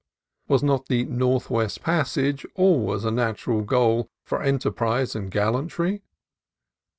Was not the Northwest Passage always a natural goal for enterprise and gallantry?